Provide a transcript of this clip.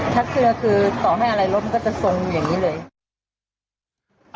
ถ้าเคลือคือต่อให้อะไรรถมันก็จะทรงอย่างนี้เลย